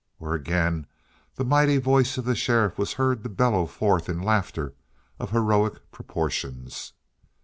Or again, the mighty voice of the sheriff was heard to bellow forth in laughter of heroic proportions.